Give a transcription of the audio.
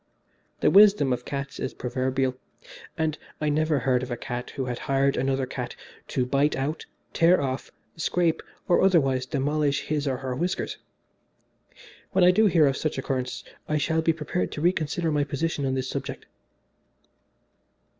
The wisdom of cats is proverbial, and I have never heard of a cat who has hired another cat to bite out, tear off, scrape or otherwise demolish his or her whiskers. When I do hear of some such occurrence I shall be prepared to reconsider my position on this subject.